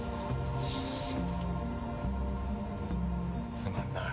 すまんな。